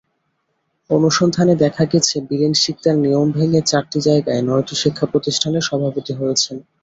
অনুসন্ধানে দেখা গেছে, বীরেন শিকদার নিয়ম ভেঙে চারটির জায়গায় নয়টি শিক্ষাপ্রতিষ্ঠানের সভাপতি হয়েছেন।